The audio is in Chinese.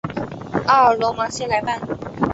阿尔罗芒谢莱班。